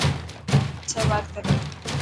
پڇي بات ڪري.